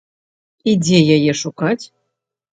І дзе яе шукаць?